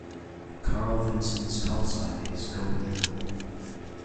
"Carl Vinson"s call sign is "Gold Eagle".